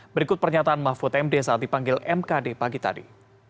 berikut pernyataan mahfud md saat dipanggil mkd pagi tadi